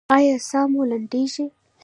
ایا ساه مو لنډیږي؟